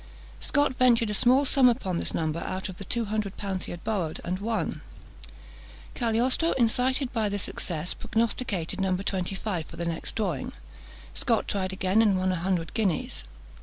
Scot ventured a small sum upon this number out of the two hundred pounds he had borrowed, and won. Cagliostro, incited by this success, prognosticated number twenty five for the next drawing. Scot tried again, and won a hundred guineas.